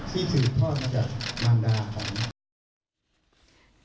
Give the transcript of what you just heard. ที่สื่อพอดมาจากมารดาของมัน